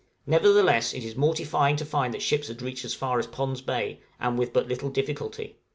Nevertheless it is mortifying to find that ships had reached as far as Pond's Bay, and with but little difficulty.